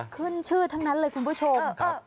ขึ้นชื่อทั้งนั้นเลยคุณผู้ชม